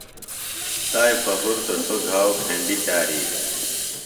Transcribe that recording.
تائی پہُرتہ سوۡ گھاؤ گھنڈیۡ چاری دےۡ۔